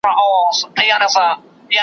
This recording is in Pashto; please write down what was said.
هره شېبه ولګېږي زر شمعي .